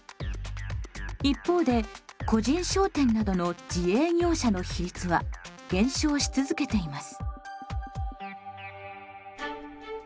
一方で個人商店などの自営業者の比率は減少し続けています。